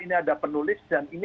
dan ini ada berapa orang yang penulis